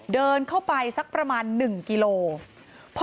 เดินเข้าไปสักประมาณ๑กิโลกรัม